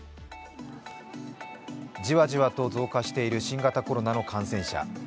じわじわと増加している新型コロナの感染者。